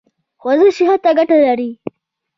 ورزش صحت ته ګټه لري